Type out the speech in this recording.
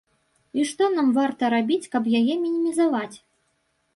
І што нам варта рабіць, каб яе мінімізаваць?